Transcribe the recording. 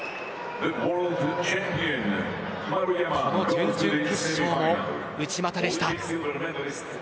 この準々決勝も内股でした。